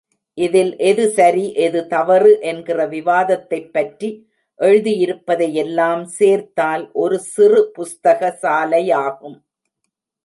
இதில் எது சரி, எது தவறு என்கிற விவாதத்தைப்பற்றி எழுதியிருப்பதை யெல்லாம் சேர்த்தால் ஒரு சிறு புஸ்தக சாலையாகும்!